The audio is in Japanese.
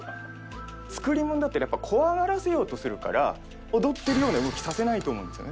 作り物だったらやっぱ怖がらせようとするから踊ってるような動きさせないと思うんですよね。